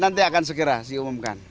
nanti akan segera diumumkan